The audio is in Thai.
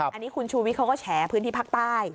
อันนี้คุณชูวิทย์เขาก็แฉพื้นที่ภาคใต้